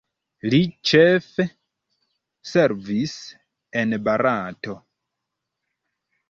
Li ĉefe servis en Barato.